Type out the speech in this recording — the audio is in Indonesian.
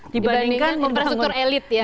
dibandingkan infrastruktur elit ya